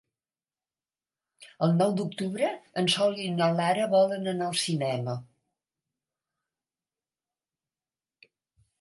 El nou d'octubre en Sol i na Lara volen anar al cinema.